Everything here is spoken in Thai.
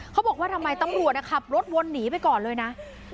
เขาบอกว่าทำไมตำรวจขับรถวนหนีไปก่อนเลยนะ